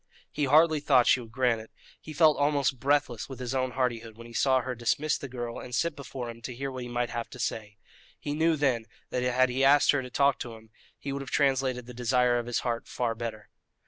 He hardly thought she would grant it; he felt almost breathless with his own hardihood when he saw her dismiss the girl and sit before him to hear what he might have to say. He knew then that had he asked her to talk to him he would have translated the desire of his heart far better.